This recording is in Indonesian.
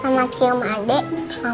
mama udah kasi papa hadiah loh